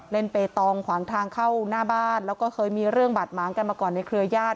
เปตองขวางทางเข้าหน้าบ้านแล้วก็เคยมีเรื่องบาดหมางกันมาก่อนในเครือญาติ